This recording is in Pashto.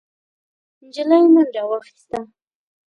نجلۍ منډه واخيسته،